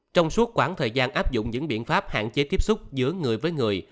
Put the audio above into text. trong suốt khoảng thời gian áp dụng những biện pháp hạn chế tiếp xúc giữa người với người